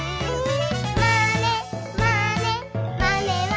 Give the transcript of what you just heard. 「まねまねまねまね」